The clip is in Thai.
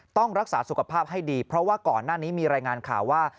ต้องรักษาสุขภาพให้ดีเพราะว่าก่อนหน้านี้มีรายงานข่าวว่า